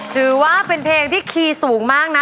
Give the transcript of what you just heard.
ถือว่าเป็นเพลงที่คีย์สูงมากนะ